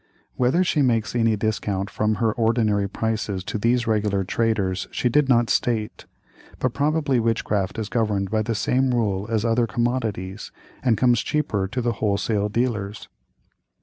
Whether she makes any discount from her ordinary prices to these regular traders, she did not state, but probably witchcraft is governed by the same rule as other commodities, and comes cheaper to wholesale dealers.